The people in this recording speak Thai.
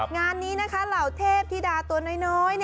งานนี้นะคะเหล่าเทพธิดาตัวน้อย